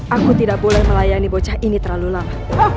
aku tidak boleh melayani bocah ini terlalu lama